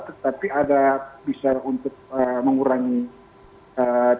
tetapi bisa untuk mengurangi tingkatnya